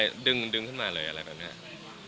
ดึงขึ้นมาเลยอะไรแบบนี้